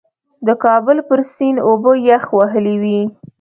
د کابل پر سیند اوبه یخ وهلې وې.